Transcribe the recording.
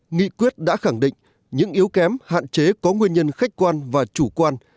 nghị quyết đã khẳng định những yếu kém hạn chế có nguyên nhân khách quan và chủ quan